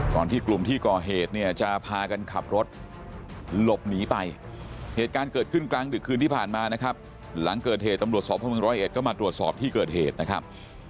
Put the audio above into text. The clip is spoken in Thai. ก่อนที่กลุ่มที่ก่อเหตุเนี่ยจะพากันขับรถหลบหนีไปเหตุการณ์เกิดขึ้นกลางดึกคืนที่ผ่านมานะครับหลังเกิดเหตุตำรวจสอบพ่อเมืองร้อยเอ็ดก็มาตรวจสอบที่เกิดเหตุนะครับ